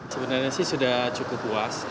sebenarnya sih sudah cukup luas